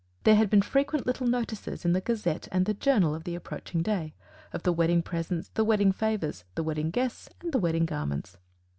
There had been frequent little notices in the Gazette and Journal of the approaching day of the wedding presents, the wedding favours, the wedding guests, and the wedding garments.